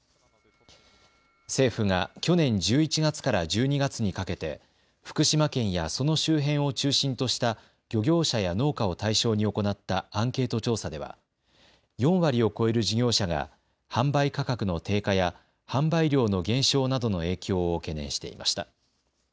政府が去年１１月から１２月にかけて福島県やその周辺を中心とした漁業者や農家を対象に行ったアンケート調査では４割を超える事業者が販売価格の低下や販売量の減少などの影響を懸念していました。